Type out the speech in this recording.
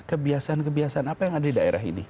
kebiasaan kebiasaan apa yang ada di daerah ini